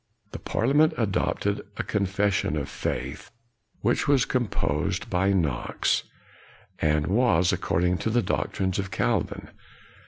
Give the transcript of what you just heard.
The parliament adopted a Con fession of Faith, which was composed by Knox, and was according to the doctrines of Calvin.